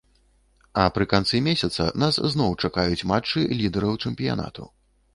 А пры канцы месяца нас зноў чакаюць матчы лідэраў чэмпіянату.